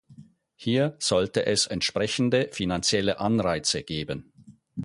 Hier sollte es entsprechende finanzielle Anreize geben.